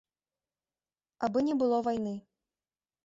Абы не было вайны.